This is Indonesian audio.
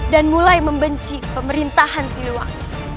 dan mulai membenci pemerintahan siluang